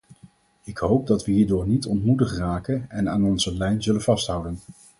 Ik hoop dat we hierdoor niet ontmoedigd raken en aan onze lijn zullen vasthouden.